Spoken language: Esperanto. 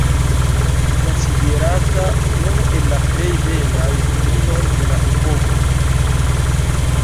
Konsiderata unu el la plej belaj virinoj de la epoko.